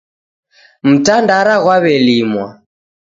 Mtandara ghwawelimwa